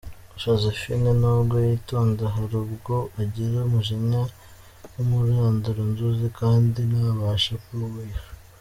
Josephine nubwo yitonda hari ubwo agira umujinya w’umuranduranzuzi kandi ntabashe kuwuhisha.